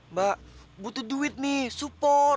mbak butuh duit nih support